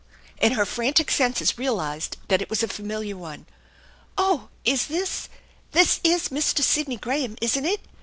" and her frantic senses realized that it was a familiar one. " Oh, is this, this is Mr. Sidney Graham, isn't it?